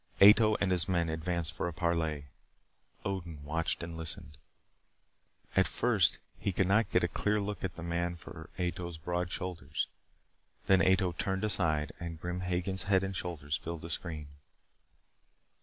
Ato and his men advanced for a parley. Odin watched and listened. At first he could not get a clear look at the man for Ato's broad shoulders. Then Ato turned aside, and Grim Hagen's head and shoulders filled the screen.